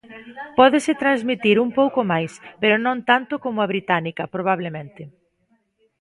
Pódese transmitir un pouco máis, pero non tanto como a británica, probablemente.